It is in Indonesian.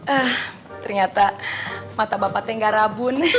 ah ternyata mata bapak teh gak rabun